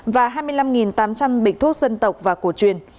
và hai mươi năm tám trăm linh bịch thuốc dân tộc và cổ truyền